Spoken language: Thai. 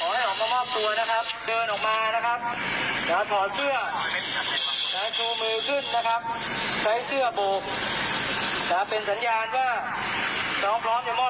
ที่ลัดหรือแม้แต่ตัวน้องเองนะครับแต่เราเชื่อว่าการต่อสู้